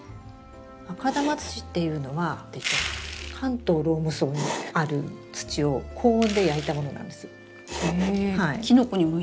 赤玉土っていうのは関東ローム層にある土を高温で焼いたものなんですよ。へえ。